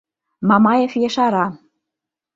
— Мамаев ешара.